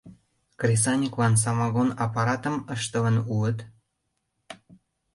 Кресаньыклан самогон аппаратым ыштылын улыт?